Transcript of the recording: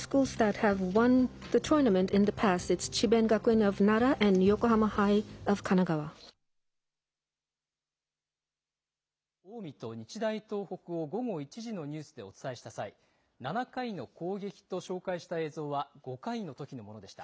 第１試合の近江と日大東北を午後１時のニュースでお伝えした際、７回の攻撃と紹介した映像は、５回のときのものでした。